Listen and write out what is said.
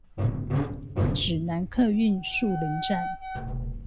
指南客運樹林站